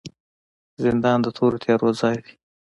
زندان د تورو تیارو ځای دی